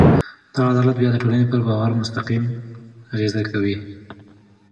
دا عدالت بیا د ټولنې پر باور مستقیم اغېز کوي.